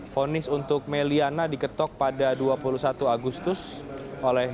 fonis untuk meliana diketok pada dua puluh satu agustus oleh ketua majelis hakim